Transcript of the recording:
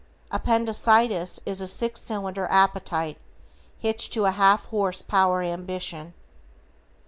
Appendicitis is a six cylinder appetite hitched to a half horse power ambition.